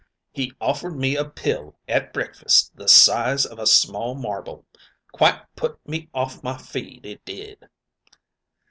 'He offered me a pill at breakfast the size of a small marble; quite put me off my feed, it did.'